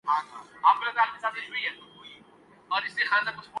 ہر صدا پر لگے ہیں کان یہاں